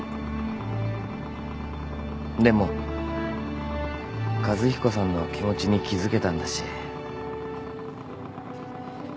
でも和彦さんの気持ちに気付けたんだし。